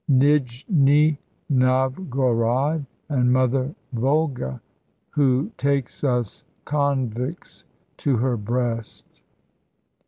Nijni Novgorod, and Mother Volga, who takes us convicts to her breast."